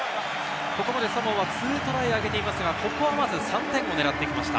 ここまでサモアは２トライを挙げていますが、ここはまず３点を狙っていきました。